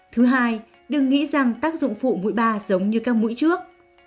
thứ hai đừng nghĩ rằng tác dụng phụ mũi ba giống như các mũi trước